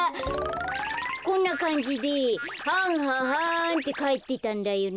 こんなかんじではんははんってかえってたんだよね。